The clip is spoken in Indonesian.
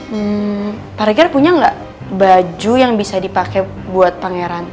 hmm parkir punya nggak baju yang bisa dipakai buat pangeran